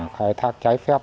khai thác trái phép